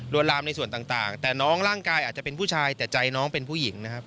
ลามในส่วนต่างแต่น้องร่างกายอาจจะเป็นผู้ชายแต่ใจน้องเป็นผู้หญิงนะครับ